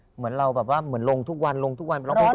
เหมือนเราแบบว่าลงทุกวันแล้วเราก็ลง